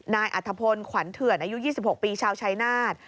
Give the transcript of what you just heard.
อัธพลขวัญเถื่อนอายุ๒๖ปีชาวชายนาฏ